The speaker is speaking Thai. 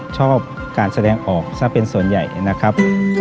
ชอบการแสดงออกซะเป็นส่วนใหญ่นะครับ